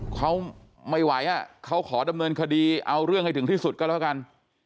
เขาไม่ไหวเขาขอดำเนินคดีเอาเรื่องให้ถึงที่สุดก็แล้วกัน